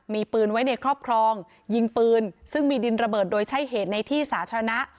มีปืนไว้ในครอบครองยิงปืนซึ่งมีดินระเบิดโดยใช้เหตุในที่สาธารณะ